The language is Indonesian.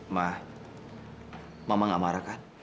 ma mama nggak marah kan